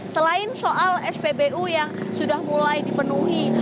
selain soal spbu yang sudah mulai dipenuhi